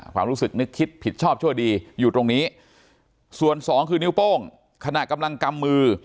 ความรู้สึกนึกคิดผิดชอบชั่วดีอยู่ตรงนี้ส่วนสองคือนิ้วโป้งขณะกำลังกำมือ